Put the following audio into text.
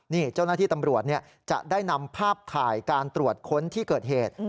นี่เจ้าหน้าที่ตำรวจจะได้นำภาพถ่ายการตรวจค้นที่เกิดเหตุ